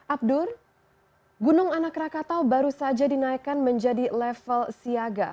abdur gunung anak rakatau baru saja dinaikkan menjadi level siaga